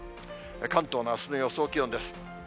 関東のあすの予想気温です。